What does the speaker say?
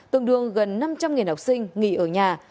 tương đương gần năm trăm linh học sinh nghỉ ở nhà